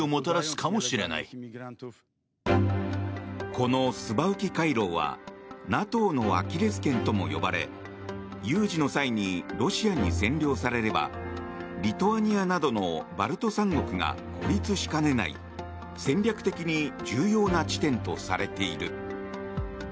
このスバウキ回廊はＮＡＴＯのアキレス腱とも呼ばれ有事の際にロシアに占領されればリトアニアなどのバルト三国が孤立しかねない戦略的に重要な地点とされている。